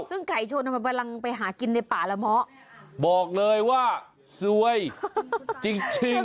ซึ่งไก่ชนมันกำลังไปหากินในป่าละเมาะบอกเลยว่าสวยจริงจริง